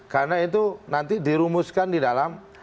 karena itu nanti dirumuskan di dalam